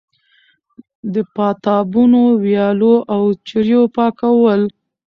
د پاتابونو، ويالو او چريو پاکول